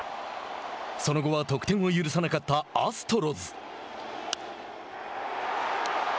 その後は得点を許さなかったアストロズ。